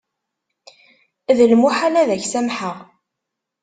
D lmuḥal ad ak-samḥeɣ.